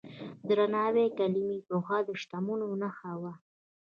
د درناوي کلمې پخوا د شتمنو نښه وه.